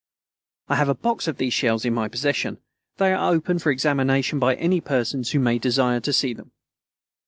I have a box of these shells in my possession. They are open for examination by any persons who may desire to see them.